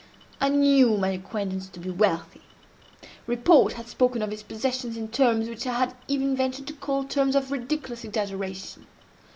I knew my acquaintance to be wealthy. Report had spoken of his possessions in terms which I had even ventured to call terms of ridiculous exaggeration.